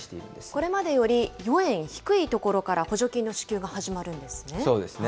これまでより４円低い所から補助金の支給が始まるんですね。